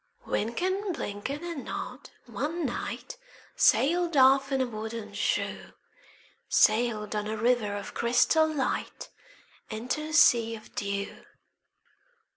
Wynken, Blynken, and Nod one night Sailed off in a wooden shoe,— Sailed on a river of crystal light Into a sea of dew.